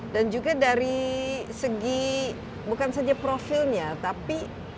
juga dari segi bukan saja profilnya tapi